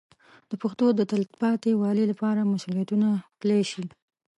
د پښتو د تلپاتې والي لپاره مسوولیتونه پلي شي.